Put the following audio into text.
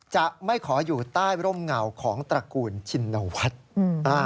จะไม่ขออยู่ใต้ร่มเงาของตระกูลชินวัฒน์